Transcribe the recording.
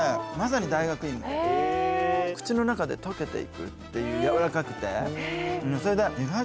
口の中で溶けていくっていうやわらかくて。